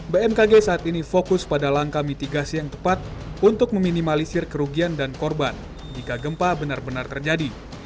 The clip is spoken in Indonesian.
bmkg saat ini fokus pada langkah mitigasi yang tepat untuk meminimalisir kerugian dan korban jika gempa benar benar terjadi